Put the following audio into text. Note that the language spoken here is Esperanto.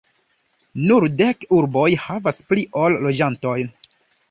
Nur dek urboj havas pli ol loĝantojn.